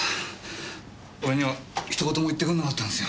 俺にはひと言も言ってくれなかったんすよ。